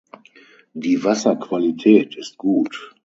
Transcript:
Die Wasserqualität ist gut.